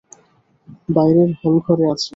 বাইরের হলঘরে আছে।